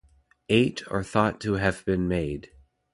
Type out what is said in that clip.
Eight are thought to have been made.